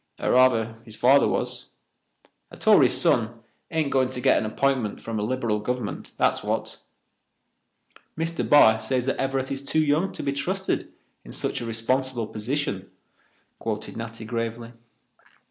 Er rather his father was. A Tory's son ain't going to get an app'intment from a Lib'ral government, that's what." "Mr. Barr says that Everett is too young to be trusted in such a responsible position," quoted Natty gravely.